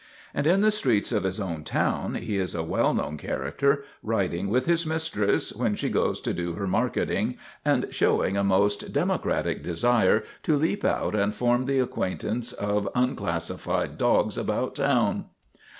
And in the streets of his own town he is a well known character, riding with his mistress when she goes to do her marketing and showing a most democratic desire to leap out and form the acquaintance of un classified dogs about town.